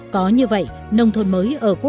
có như vậy nông thôn mới ở quốc oai mới bền vững